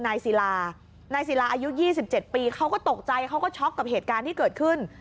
นายศิลานายศิลาอายุ๒๗ปีเขาก็ตกใจเขาก็ช็อกกับเหตุการณ์ที่เกิดขึ้น